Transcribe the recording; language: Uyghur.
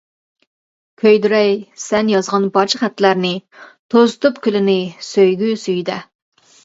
كۆيدۈرەي سەن يازغان بارچە خەتلەرنى، توزۇتۇپ كۈلىنى سۆيگۈ سۈيىدە.